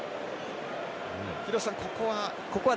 廣瀬さん、ここは。